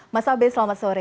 mas abe selamat sore